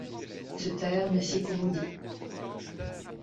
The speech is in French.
Se taire ne sied qu'au maudit ;.